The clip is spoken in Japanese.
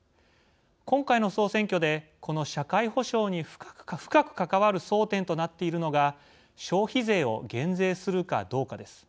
今回の総選挙でこの社会保障に深く関わる争点となっているのが消費税を減税するかどうかです。